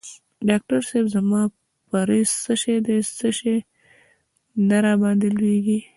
ډاکټر صېب زما پریز څه دی څه شی نه راباندي لویږي؟